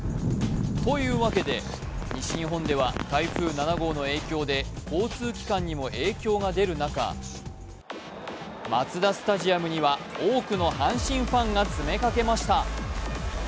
というわけで西日本では台風７号の影響で交通機関にも影響が出る中マツダスタジアムには多くの阪神ファンが詰めかけました。